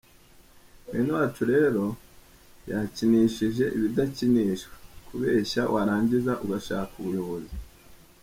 Mwene wacu rero yakinishije ibidakinishwa, kubeshya warangiza ugashaka ubuyobozi.